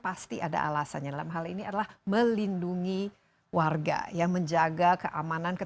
atau maksilan ya ingin visto sebetulnya